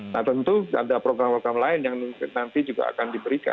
nah tentu ada program program lain yang nanti juga akan diberikan